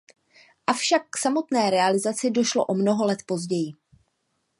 Avšak k samotné realizaci došlo o mnoho let později.